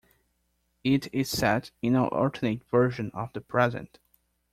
It is set in an alternate version of the present.